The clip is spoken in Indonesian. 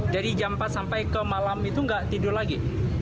dari jam empat sampai ke malam itu nggak tidur lagi